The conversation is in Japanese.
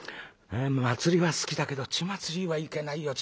祭りは好きだけど血祭りはいけないよ